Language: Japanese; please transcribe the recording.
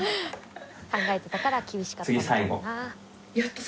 考えてたから厳しかったのかもな。